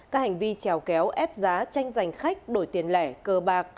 các hành vi trèo kéo ép giá tranh giành khách đổi tiền lẻ cờ bạc